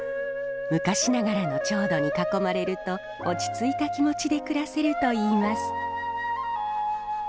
昔ながらの調度に囲まれると落ち着いた気持ちで暮らせるといいます。